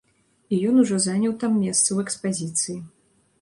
І ён ужо заняў там месца ў экспазіцыі.